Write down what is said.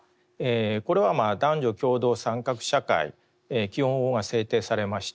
これは男女共同参画社会基本法が制定されまして